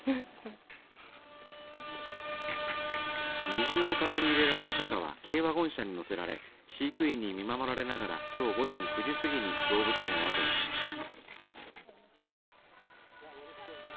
二重のかごに入れられたカカは軽ワゴン車に乗せられ飼育員に見守られながらきょう午前９時過ぎに動物園をあとにしました。